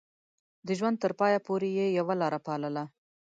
د ژوند تر پايه پورې يې يوه لاره پالله.